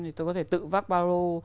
thì tôi có thể tự vác baro